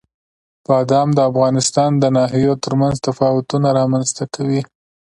بادام د افغانستان د ناحیو ترمنځ تفاوتونه رامنځ ته کوي.